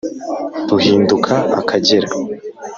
Ruhinduka Akagera